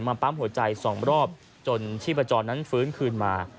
ปั๊มหัวใจ๒รอบจนชีพจรนั้นฟื้นคืนมา